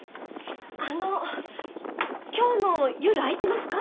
あの今日の夜空いてますか？